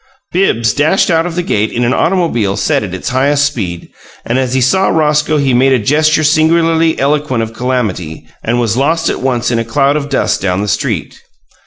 Bibbs dashed out of the gate in an automobile set at its highest speed, and as he saw Roscoe he made a gesture singularly eloquent of calamity, and was lost at once in a cloud of dust down the street.